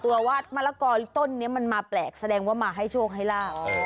ว่ามะละกอต้นนี้มันมาแปลกแสดงว่ามาให้โชคให้ลาบ